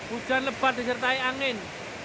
hujan lebat disertai angin